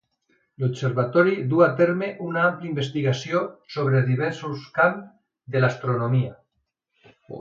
L'observatori du a terme una àmplia investigació sobre diversos camps de l'astronomia.